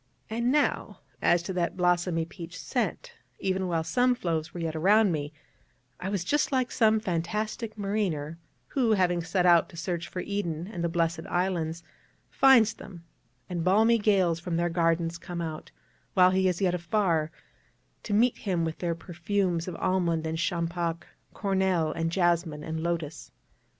And now, as to that blossomy peach scent even while some floes were yet around me I was just like some fantastic mariner, who, having set out to search for Eden and the Blessed Islands, finds them, and balmy gales from their gardens come out, while he is yet afar, to meet him with their perfumes of almond and champac, cornel and jasmin and lotus.